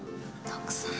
徳さん。